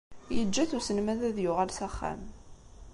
Yeǧǧa-t uselmad ad yuɣal s axxam.